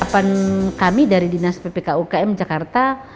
apa yang kami dari dinas ppk ukm jakarta